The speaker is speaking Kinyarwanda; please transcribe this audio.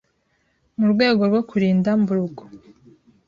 mu rwego rwo kurinda mburugu.